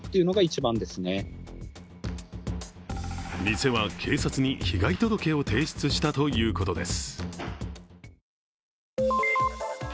店は警察に被害届を提出したということです